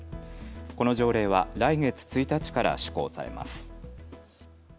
この条例は来月１日から施行されます。